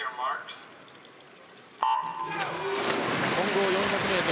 混合４００ｍ